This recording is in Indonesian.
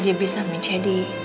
dia bisa menjadi